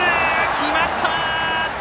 決まった！